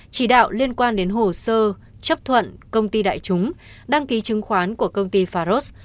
chỉ đạo liên quan đến hồ sơ chấp thuận công ty đại chúng đăng ký chứng khoán của công ty faros